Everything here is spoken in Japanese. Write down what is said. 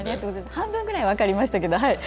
半分ぐらい分かりましたけど。